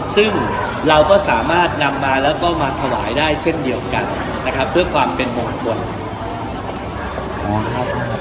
ซึ่งเราก็สามารถนำมาแล้วก็มาถวายได้เช่นเดียวกันนะครับเพื่อความเป็นมงคล